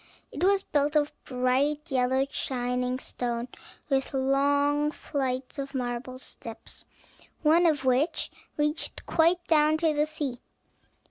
It was built of bright yellow shining stone, with long flights of marble steps, one of which reached quite down to the sea.